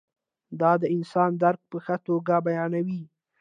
دا د انسان درک په ښه توګه بیانوي.